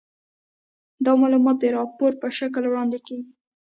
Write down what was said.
دا معلومات د راپور په شکل وړاندې کیږي.